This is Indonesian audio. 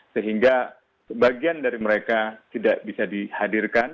sehingga sebagian dari mereka tidak bisa dihadirkan